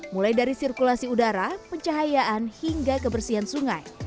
mulai dari sirkulasi udara pencahayaan hingga kebersihan sungai